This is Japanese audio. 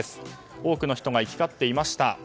多くの人が行き交っていました。